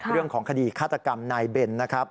เรื่องของคดีฆาตกรรมนายเบนนะครับ